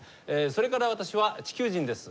それから私は地球人です。